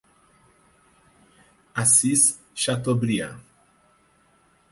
Assis Chateaubriand